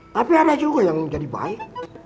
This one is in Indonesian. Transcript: tapi ada juga yang menjadi baik